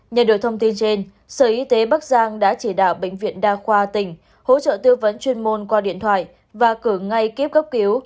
nhận được thông tin trên sở y tế bắc giang đã chỉ đạo bệnh viện đa khoa tỉnh hỗ trợ tư vấn chuyên môn qua điện thoại và cử ngay kiếp cấp cứu